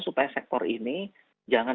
supaya sektor ini jangan